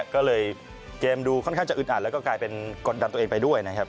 ก็เลยเกมดูค่อนข้างจะอึดอัดแล้วก็กลายเป็นกดดันตัวเองไปด้วยนะครับ